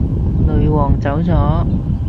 女皇走咗